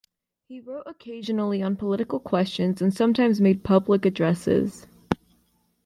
He wrote occasionally on political questions, and sometimes made public addresses.